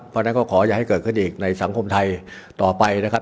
เพราะฉะนั้นก็ขออย่าให้เกิดขึ้นอีกในสังคมไทยต่อไปนะครับ